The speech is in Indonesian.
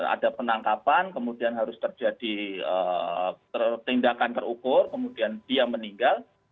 ada penangkapan kemudian harus terjadi tindakan terukur kemudian dia meninggal